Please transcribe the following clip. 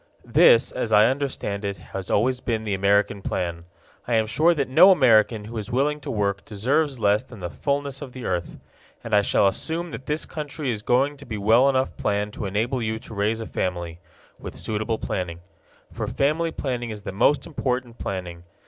This, as I understand it, has always been the American plan. I am sure that no American who is willing to work deserves less than the fullness of the earth. And I shall assume that this country is going to be well enough planned to enable you to raise a family with suitable planning. For family planning is the most important planning.